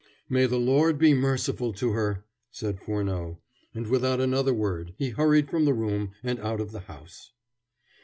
"May the Lord be merciful to her!" said Furneaux, and without another word, he hurried from the room and out of the house.